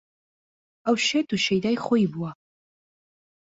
ئەو شێت و شەیدای خۆی بووە